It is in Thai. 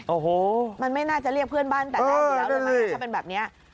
โอ้โหมันไม่น่าจะเรียกเพื่อนบ้านแต่แรกนี้แล้วเลยมั้ยถ้าเป็นแบบนี้